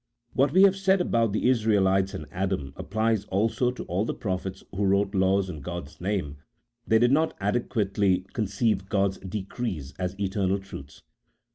What we have said about the Israelites and Adam, applies also to all the prophets who wrote laws in God's name — they did not adequately conceive God's decrees as eternal truths.